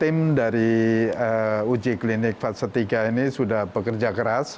tim dari uji klinik fase tiga ini sudah bekerja keras